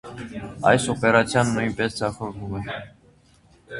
Այս օպերացիան նույնպես ձախողվում է։